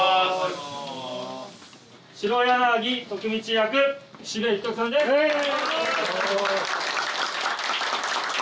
白柳徳道役岸部一徳さんです。